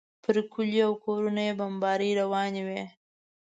پر کلیو او کورونو یې بمبارۍ روانې وې.